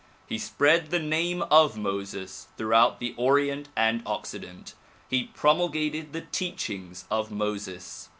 He spread the name of Moses throughout the Orient and Occident. He promulgated the teachings of Moses.